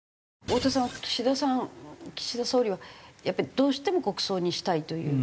太田さんは岸田さん岸田総理はやっぱりどうしても国葬にしたいという。